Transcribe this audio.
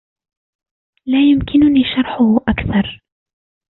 لا يمكنني شرحهُ أكثر.